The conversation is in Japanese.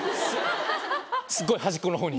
すごい端っこのほうに。